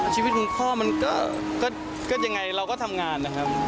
ชีวิตของพ่อมันก็ยังไงเราก็ทำงานนะครับ